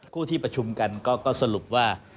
คู่ที่ประชุมกันก็สรุปว่า